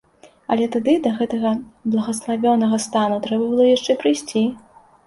Але тады да гэтага благаславёнага стану трэба было яшчэ прыйсці.